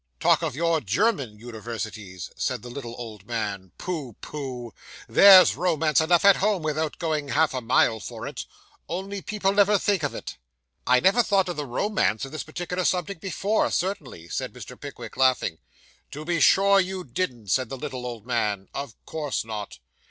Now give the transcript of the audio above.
'Talk of your German universities,' said the little old man. 'Pooh, pooh! there's romance enough at home without going half a mile for it; only people never think of it.' 'I never thought of the romance of this particular subject before, certainly,' said Mr. Pickwick, laughing. 'To be sure you didn't,' said the little old man; 'of course not.